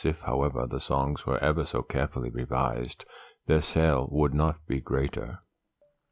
If, however, the songs were ever so carefully revised, their sale would not be greater.